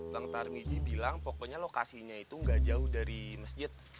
bang tarmiji bilang pokoknya lokasinya itu gak jauh dari masjid